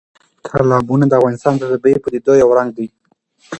تالابونه د افغانستان د طبیعي پدیدو یو رنګ دی.